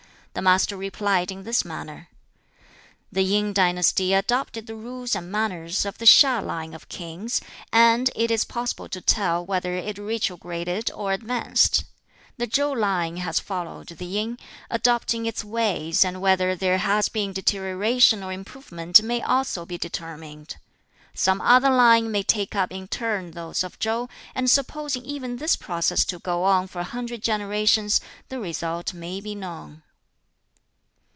The Master replied in this manner: "The Yin dynasty adopted the rules and manners of the HiŠ line of kings, and it is possible to tell whether it retrograded or advanced. The Chow line has followed the Yin, adopting its ways, and whether there has been deterioration or improvement may also be determined. Some other line may take up in turn those of Chow; and supposing even this process to go on for a hundred generations, the result may be known."